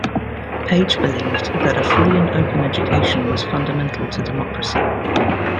Page believed that a free and open education was fundamental to democracy.